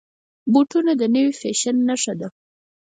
بوټونه د نوي فیشن نښه ده.